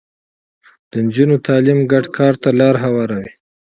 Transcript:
د نجونو تعليم ګډ کار ته لاره هواروي.